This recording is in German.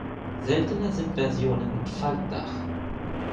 Seltener sind Versionen mit Faltdach.